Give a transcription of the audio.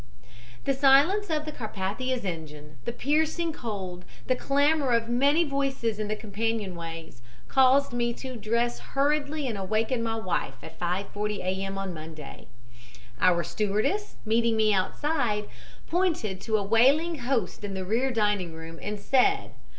"The silence of the Carpathia's engines, the piercing cold, the clamor of many voices in the companionways, caused me to dress hurriedly and awaken my wife, at 5.40 A. M. Monday. Our stewardess, meeting me outside, pointed to a wailing host in the rear dining room and said.